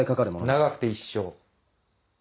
長くて一生。